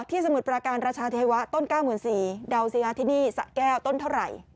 ที่สมุทรปราการราชาเทวะต้นเก้าหมื่นสี่เดาสิฮะที่นี่สะแก้วต้นเท่าไหร่